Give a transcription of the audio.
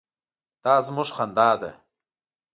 _دا زموږ خندا ده.